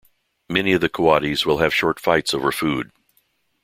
Many of the coatis will have short fights over food.